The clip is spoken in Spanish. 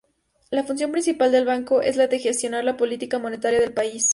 La función principal del banco es la de gestionar la política monetaria del país.